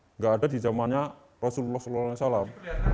tidak ada di zamannya rasulullah saw